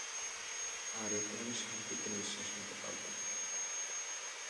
আর এতে আমি শান্তিতে নিশ্বাস নিতে পারবো!